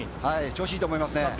調子いいと思いますね。